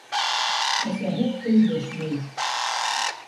Әсәһе өндәшмәй.